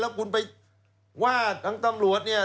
แล้วคุณไปว่าทางตำรวจเนี่ย